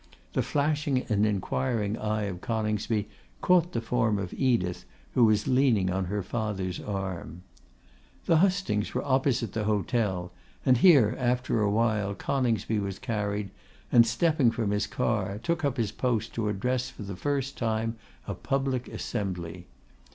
The flashing and inquiring eye of Coningsby caught the form of Edith, who was leaning on her father's arm. The hustings were opposite the hotel, and here, after a while, Coningsby was carried, and, stepping from his car, took up his post to address, for the first time, a public assembly.